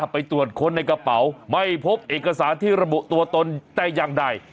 ไปตรวจค้นในกระเป๋าไม่พบเอกสารที่ระบุตัวตนแต่อย่างใด